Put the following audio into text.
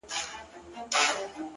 o ډيره ژړا لـــږ خـــنــــــــــدا؛